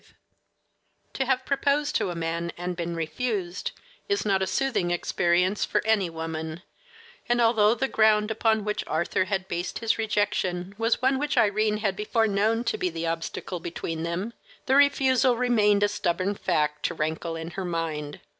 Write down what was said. V To have proposed to a man, and been refused, is not a soothing experience for any woman; and although the ground upon which Arthur had based his rejection was one which Irene had before known to be the obstacle between them, the refusal remained a stubborn fact to rankle in her mind.